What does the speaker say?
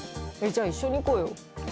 じゃあ一緒に行こうよ。